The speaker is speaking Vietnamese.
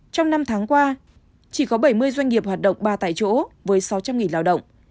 trong năm tháng qua chỉ có bảy mươi doanh nghiệp hoạt động ba tại chỗ với sáu trăm linh lao động